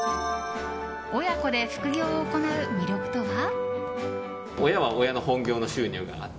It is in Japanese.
親子で副業を行う魅力とは。